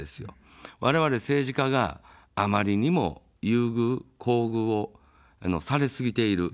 われわれ政治家があまりにも優遇、厚遇をされすぎている。